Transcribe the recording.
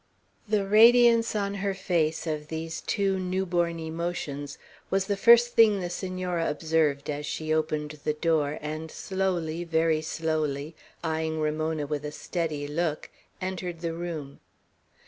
The radiance on her face of these two new born emotions was the first thing the Senora observed as she opened the door, and slowly, very slowly, eyeing Ramona with a steady look, entered the room.